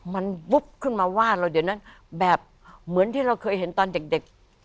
มันวุ๊บขึ้นมาว่าเราเดี๋ยวนั้นแบบเหมือนที่เราเคยเห็นตอนเด็ก